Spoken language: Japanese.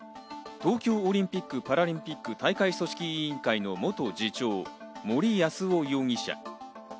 東京オリンピック・パラリンピック大会組織委員会の元次長、森泰夫容疑者。